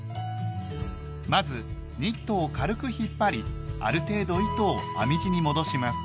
まずニットを軽く引っ張りある程度糸を編み地に戻します。